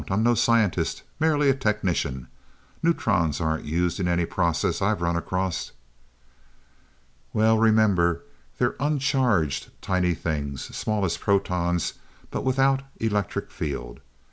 I'm no scientist merely a technician. Neutrons aren't used in any process I've run across." "Well, remember they're uncharged, tiny things. Small as protons, but without electric field.